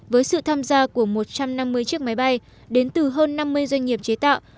với sự tham gia của một trăm năm mươi chiếc máy bay đến từ hơn năm mươi doanh nghiệp chế tạo